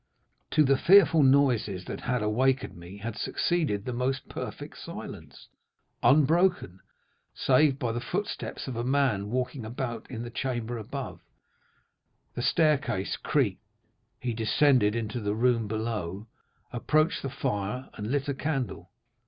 "To the fearful noises that had awakened me had succeeded the most perfect silence—unbroken, save by the footsteps of a man walking about in the chamber above. The staircase creaked, he descended into the room below, approached the fire and lit a candle.